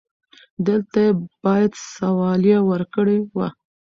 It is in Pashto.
دلته يې بايد سواليه ورکړې و.